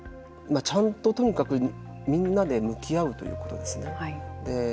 ちゃんと、とにかくみんなで向き合うということですね。